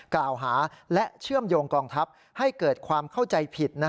กล่าวหาและเชื่อมโยงกองทัพให้เกิดความเข้าใจผิด